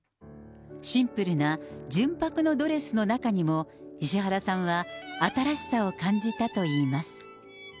シンプルな純白なドレスの中にも、石原さんは新しさを感じたといいます。